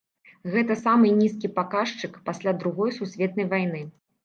Гэта самы нізкі паказчык пасля другой сусветнай вайны.